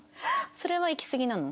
それはいきすぎなの？